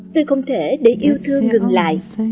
tôi không thể để yêu thương ngừng lại